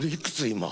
今。